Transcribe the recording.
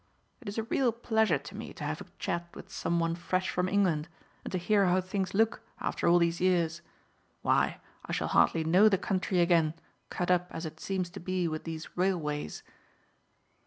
It is a real pleasure to me to have a chat with some one fresh from England, and to hear how things look after all these years. Why, I shall hardly know the country again, cut up as it seems to be with these railways."